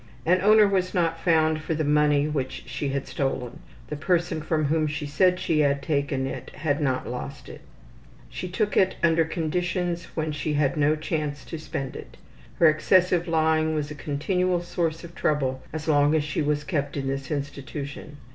An owner was not found for the money which she had stolen. The person from whom she said she had taken it had not lost it. She took it under conditions when she had no chance to spend it. Her excessive lying was a continual source of trouble as long as she was kept in this institution.